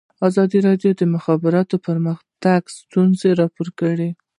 ازادي راډیو د د مخابراتو پرمختګ ستونزې راپور کړي.